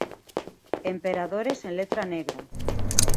Emperadores en letra negra.